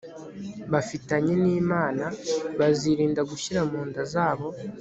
bafitanye nImana bazirinda gushyira mu nda zabo